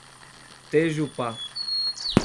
Tejupá